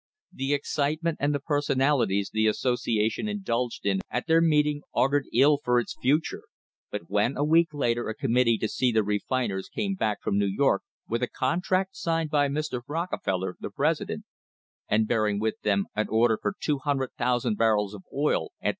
The excitement and the personalities the associ ation indulged in at their meeting augured ill for its future, but when a week later a committee sent to see the refiners came back from New York with a contract signed by Mr. Rocke^ feller,* the president, and bearing with them an order for 200,000 barrels of oil at $3.